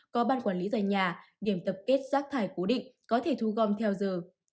có ban quản lý dài nhà điểm tập kết rác thải cố định có thể thu gom theo giờ